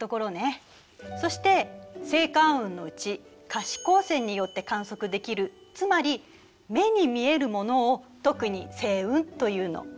そして星間雲のうち可視光線によって観測できるつまり目に見えるものを特に星雲というの。